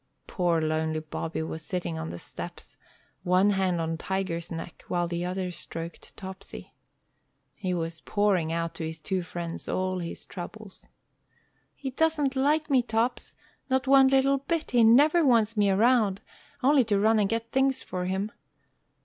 Poor, lonely Bobby was sitting on the steps, one hand on Tiger's neck, while the other stroked Topsy. He was pouring out to his two friends all his troubles. "He doesn't like me, Tops, not one little bit. He never wants me round, only to run and get things for him.